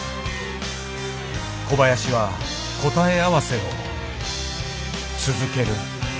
小林は答え合わせを続ける。